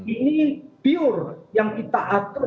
ini pure yang kita atur